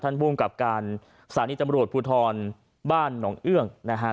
ท่านภูมิกับการสารณีตำรวจภูทรบ้านหนองเอื้อกนะครับ